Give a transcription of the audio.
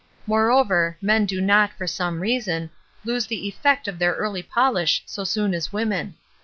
Moreover, men do not, for some reason, lose the effect of their early polish so soon as women.